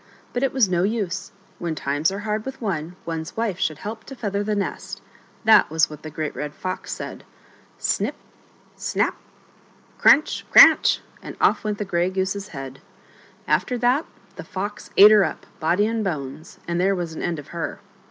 But it was no use ; when times are hard with one, one's wife should help to feather the nest — that was what the Great Red Fox said. Snip ! snap ! crunch ! cranch ! and off went the Grey Goose's head. After that the Fox ate her up, body and bones, and there was an end of her.